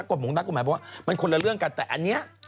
นักกฎหมองนักก็หมายถึงว่ามันคนละเรื่องกันแต่อันเนี้ย